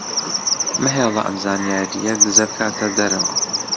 مەهێڵە ئەم زانیارییە دزە بکاتە دەرەوە.